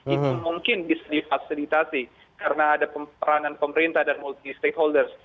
itu mungkin bisa difasilitasi karena ada peranan pemerintah dan multi stakeholders